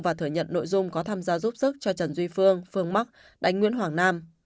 và thừa nhận nội dung có tham gia giúp sức cho trần duy phương phương mắc đánh nguyễn hoàng nam